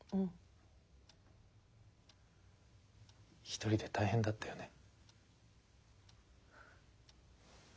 一人で大変だったよね。